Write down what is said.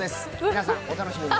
皆さん、お楽しみに。